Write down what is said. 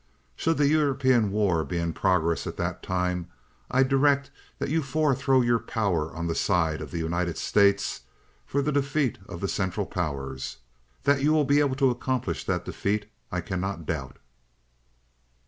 "'Should the European war be in progress at that time, I direct that you four throw your power on the side of the United States for the defeat of the Central Powers. That you will be able to accomplish that defeat I cannot doubt.